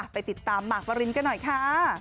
ไปติดตามมาร์กวาลินก็หน่อยค่ะ